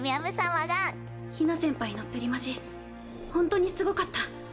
まつり：ひな先輩のプリマジホントにすごかった。